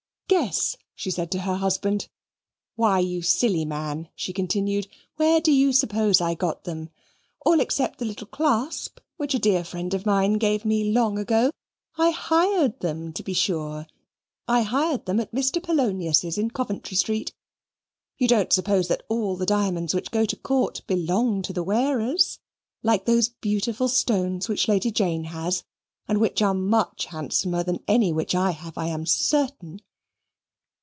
"Guess!" she said to her husband. "Why, you silly man," she continued, "where do you suppose I got them? all except the little clasp, which a dear friend of mine gave me long ago. I hired them, to be sure. I hired them at Mr. Polonius's, in Coventry Street. You don't suppose that all the diamonds which go to Court belong to the wearers; like those beautiful stones which Lady Jane has, and which are much handsomer than any which I have, I am certain."